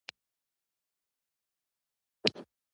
ښوونکی هره ورځ په سرخوږي زده کونکو ته لوست ور زده کوي.